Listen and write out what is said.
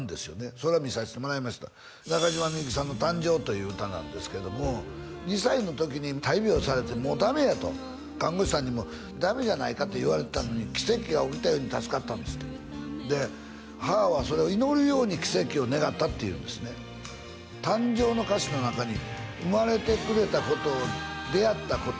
それを見さしてもらいましたという歌なんですけども２歳の時に大病されてもうダメやと看護師さんにもダメじゃないかと言われてたのに奇跡が起きたように助かったんですってで母はそれを祈るように奇跡を願ったっていうんですね「誕生」の歌詞の中に「生まれてくれたこと出会ったこと」